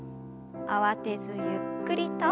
慌てずゆっくりと。